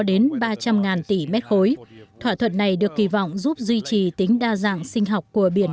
đến ba trăm linh ngàn tỷ mét khối thỏa thuận này được kỳ vọng giúp duy trì tính đa dạng sinh học của biển